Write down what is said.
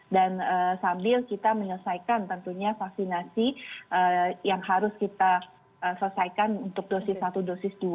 dan sambil kita menyelesaikan tentunya vaksinasi yang harus kita selesaikan untuk dosis satu dosis dua